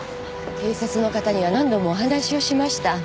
警察の方には何度もお話をしました